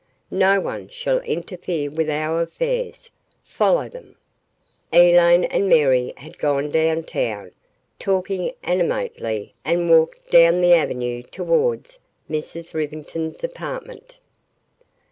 No one shall interfere with our affairs. Follow them!" Elaine and Mary had gone downtown, talking animatedly, and walked down the avenue toward Mrs. Rivington's apartment.